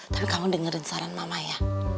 tapi kamu dengerin saran mama ya